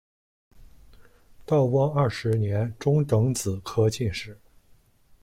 道光二十年中庚子科进士。